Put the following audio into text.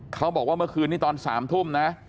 เขาบอกว่าเมื่อคืนนี้ตอน๓ทุ่มนะ